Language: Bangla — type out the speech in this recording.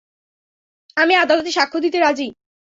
আমি আদালতে সাক্ষ্য দিতে রাজী।